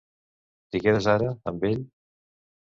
T'hi quedes ara, amb ell?